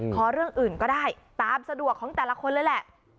ขอเรื่องอื่นก็ได้ตามสะดวกของแต่ละคนเลยแหละ